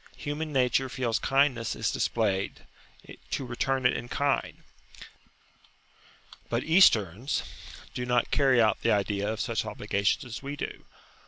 Human nature feels kindness is displayed to return it in kind. But Easterns do not carry out the idea of such obligations as we do.